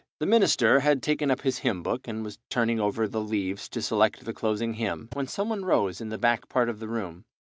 The minister had taken up his hymn book, and was turning over the leaves to select the closing hymn, when some one rose in the back part of the room.